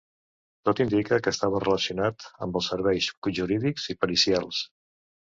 Tot indica que estava relacionat amb els serveis jurídics i pericials.